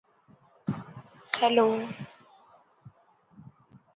The university holds weekly services for the campus community in the chapel.